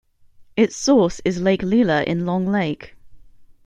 Its source is Lake Lila in Long Lake.